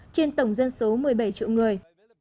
trên tổng dân số một mươi bảy triệu người